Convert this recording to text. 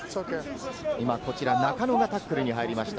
中野がタックルに入りました。